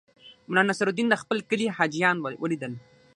ملا نصرالدین د خپل کلي حاجیان ولیدل.